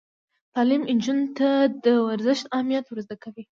تعلیم نجونو ته د ورزش اهمیت ور زده کوي.